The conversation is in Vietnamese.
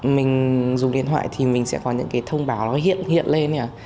mình sẽ có những cái thông báo nó hiện hiện lên nhỉ